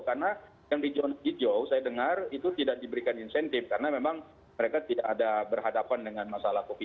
karena yang di zona hijau saya dengar itu tidak diberikan insentif karena memang mereka tidak ada berhadapan dengan masalah covid sembilan belas